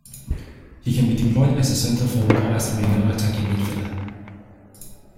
He can be deployed as a centre-forward or as a winger or attacking midfielder.